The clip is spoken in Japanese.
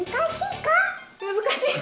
難しいか？